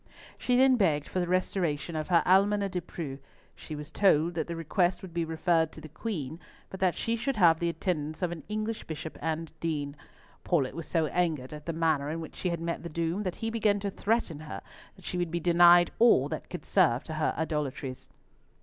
She then begged for the restoration of her Almoner De Preaux. She was told that the request would be referred to the Queen, but that she should have the attendance of an English Bishop and Dean. Paulett was so angered at the manner in which she had met the doom, that he began to threaten her that she would be denied all that could serve to her idolatries.